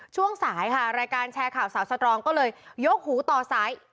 ช่วงสายค่ะรายการแชร์ข่าวสาวสตรองก็เลยยกหูต่อซ้าย